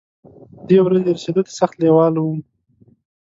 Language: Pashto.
د دې ورځې رسېدو ته سخت لېوال وم.